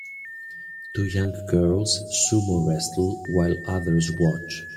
Two young girls sumo wrestle while others watch.